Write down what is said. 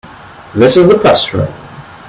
This is the Press Room.